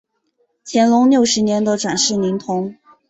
乾隆六十年的转世灵童。